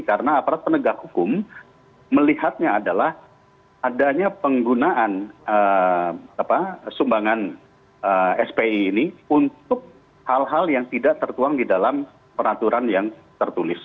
karena aparat penegak hukum melihatnya adalah adanya penggunaan sumbangan spi ini untuk hal hal yang tidak tertuang di dalam peraturan yang tertulis